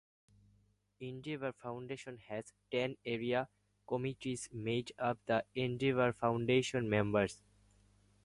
Endeavour Foundation has ten Area Committees made up of Endeavour Foundation members.